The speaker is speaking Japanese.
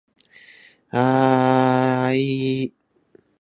ああああああああああああああああい